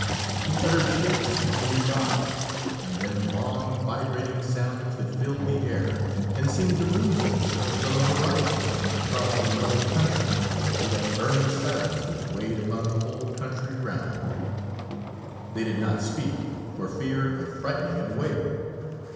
He uttered shakes and roulades, and then long, vibrating sounds that filled the air, and seemed to lose themselves on the horizon, across the level country, through that burning silence which weighed upon the whole country round. They did not speak for fear of frightening it away.